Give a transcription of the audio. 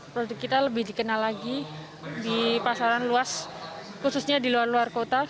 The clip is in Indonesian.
produk kita lebih dikenal lagi di pasaran luas khususnya di luar luar kota